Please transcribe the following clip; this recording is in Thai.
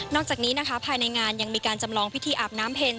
จากนี้นะคะภายในงานยังมีการจำลองพิธีอาบน้ำเพ็ญ